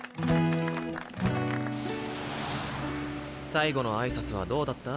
最後の挨拶はどうだった？